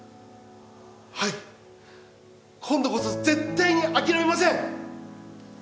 はい今度こそ絶対に諦めません！